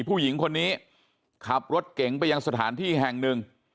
ผู้หญิงคนนี้ขับรถเก๋งไปยังสถานที่แห่งหนึ่ง